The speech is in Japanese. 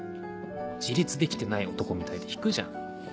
自立できてない男みたいで引くじゃん。